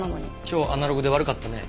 超アナログで悪かったね。